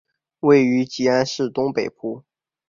位于吉安市东北部。